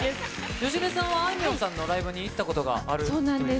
芳根さんはあいみょんさんのライブに行ったことがあるということで。